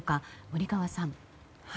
森川さん。